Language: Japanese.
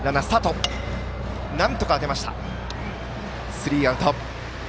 スリーアウト。